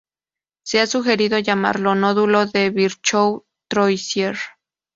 Se ha sugerido llamarlo nódulo de Virchow-Troisier.